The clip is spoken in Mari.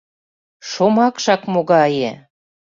Шомакшак могае!